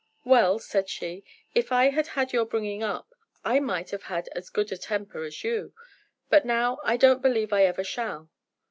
"Well," said she, "if I had had your bringing up, I might have had as good a temper as you, but now I don't believe I ever shall."